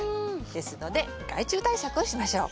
ですので害虫対策をしましょう。